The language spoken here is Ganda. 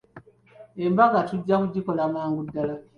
Embaga tujja kugikola mangu ddala.